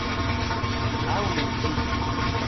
Ɛewnemt-iyi.